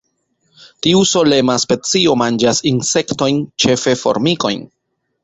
Tiu solema specio manĝas insektojn, ĉefe formikojn.